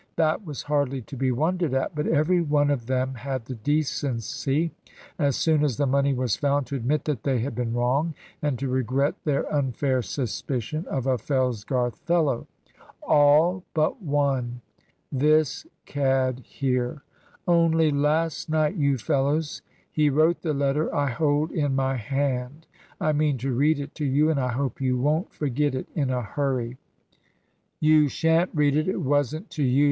That was hardly to be wondered at. But every one of them had the decency, as soon as the money was found, to admit that they had been wrong, and to regret their unfair suspicion of a Fellsgarth fellow. All but one this cad here! Only last night, you fellows, he wrote the letter I hold in my hand. I mean to read it to you, and I hope you won't forget it in a hurry." "You shan't read it; it wasn't to you!"